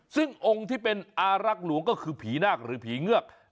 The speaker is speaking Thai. ซึ่งองค์ที่เป็นอารักษ์หลวงก็คือผีนาคหรือผีเงือก